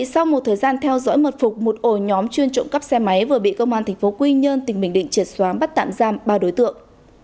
sau một thời gian theo dõi mật phục một ổ nhóm chuyên trộm cắp xe máy vừa bị công an tp quy nhơn tỉnh bình định triệt xóa bắt tạm giam ba đối tượng